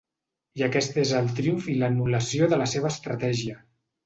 I aquest és el triomf i l’anul·lació de la seva estratègia.